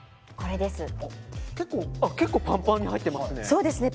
結構パンパンに入ってますね。